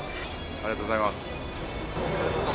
ありがとうございます。